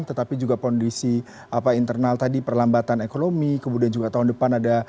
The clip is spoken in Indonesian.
tetapi juga kondisi internal tadi perlambatan ekonomi kemudian juga tahun depan ada